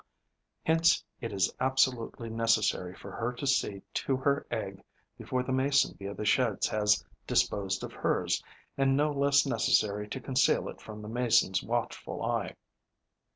Hence it is absolutely necessary for her to see to her egg before the Mason bee of the Sheds has disposed of hers and no less necessary to conceal it from the Mason's watchful eye.